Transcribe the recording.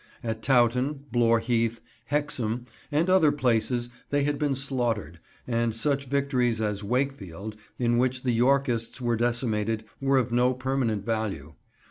At Towton, Blore Heath, Hexham, and other places they had been slaughtered, and such victories as Wakefield, in which the Yorkists were decimated, were of no permanent value.